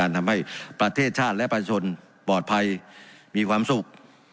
ทำให้ประเทศชาติและประชาชนปลอดภัยมีความสุข